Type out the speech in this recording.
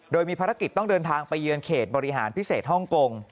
โดยมีภารกิจต้องเดินทางไปเยือนเขตบริหารพิเศษฮ่องกง